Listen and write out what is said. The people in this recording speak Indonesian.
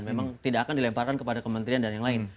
memang tidak akan dilemparkan kepada kementerian dan yang lain